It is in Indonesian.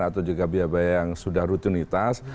atau juga biaya biaya yang sudah rutinitas